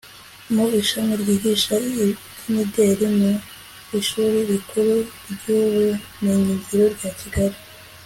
mu ishami ryigisha iby'imideli mu ishuri rikuru ry'ubumenyingiro rya kigali